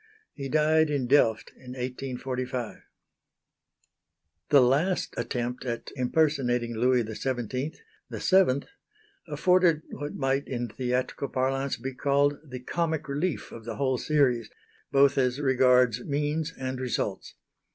He died in Delft in 1845. The last attempt at impersonating Louis XVII, the seventh, afforded what might in theatrical parlance be called the "comic relief" of the whole series, both as regards means and results.